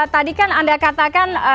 tadi kan anda katakan